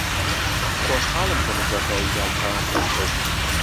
خۆشحاڵم کە لە کۆتاییدا چاوم پێت کەوت.